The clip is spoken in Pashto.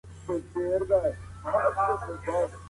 انګور انګور وجود دي سرې پيالې او شرابونه